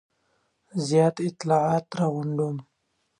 زیات اطلاعات را غونډوم.